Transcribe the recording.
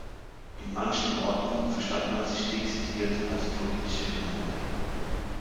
In manchen Orten verstand man sich dezidiert als „Politische Gemeinde“.